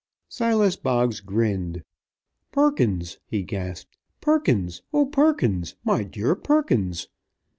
Silas Boggs grinned. "Perkins!" he gasped. "Perkins! Oh, Perkins! My dear Perkins!"